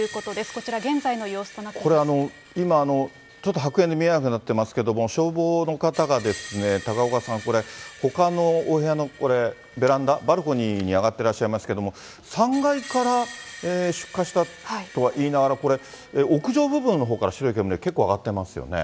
こちら、現在の様子となっていまこれ、今、ちょっと白煙で見えなくなっていますけれども、消防の方が、高岡さん、これ、ほかのお部屋のベランダ、バルコニーに上がってらっしゃいますけれども、３階から出火したとは言いながら、これ、屋上部分のほうから白い煙、結構上がってますよね。